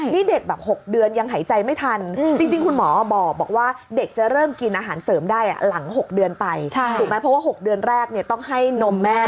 นี่เด็กแบบ๖เดือนยังหายใจไม่ทัน